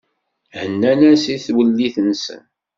Hennan-as i twellit-nsen.